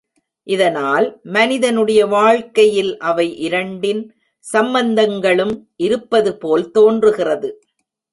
இதனால், மனிதனுடைய வாழ்க்கையில் அவை இரண்டின் சம்பந்தங்களும் இருப்பதுபோல் தோன்றுகிறது.